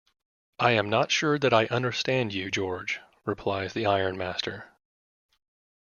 "I am not sure that I understand you, George," replies the ironmaster.